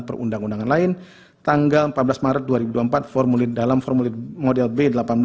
perundang undangan lain tanggal empat belas maret dua ribu dua puluh empat dalam formulir model b delapan belas